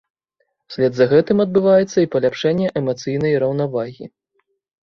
Услед за гэтым адбываецца і паляпшэнне эмацыйнай раўнавагі.